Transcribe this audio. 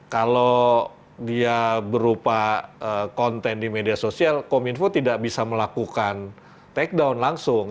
kalau dia berupa konten di media sosial kominfo tidak bisa melakukan take down langsung